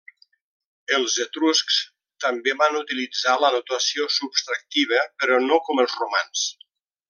Els etruscs també van utilitzar la notació subtractiva, però no com els romans.